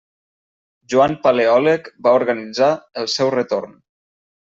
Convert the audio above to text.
Joan Paleòleg va organitzar el seu retorn.